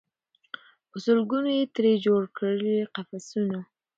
په سل ګونو یې ترې جوړ کړل قفسونه